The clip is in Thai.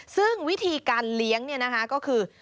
ซึ่งวิธีการเลี้ยงก็คือ